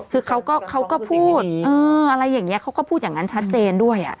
คือเขาก็พูดอะไรอย่างนี้เขาก็พูดอย่างนั้นชัดเจนด้วย